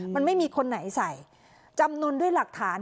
มันไม่มีคนไหนใส่จำนวนด้วยหลักฐาน